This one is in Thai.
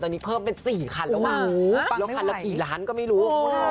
อันนี้เพิ่มเป็น๔คันแล้วว่าละกี่ล้านก็ไม่รู้